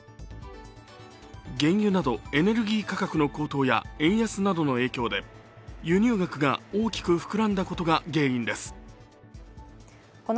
原油などエネルギー価格の高騰や円安などの影響で輸入額が大きく膨らんだことが原因です。